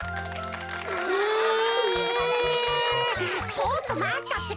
ちょっとまったってか。